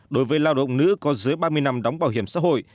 đối với lao động nữ có dưới ba mươi năm đóng bảo hiểm xã hội